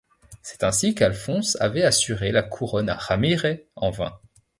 C’est ainsi qu'Alphonse avait assuré la couronne à Ramire, en vain.